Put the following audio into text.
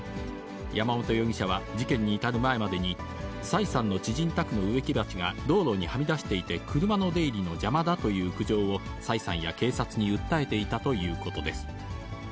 山本容疑者は事件に至る前までに、崔さんの知人宅の植木鉢が道路にはみ出していて、車の出入りの邪魔だという苦情を、崔さんや警察に訴えていたということです。